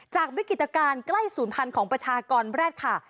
จากวิกฤตการณ์ใกล้ศูนย์พันธุ์ของประชากรแรกค่ะ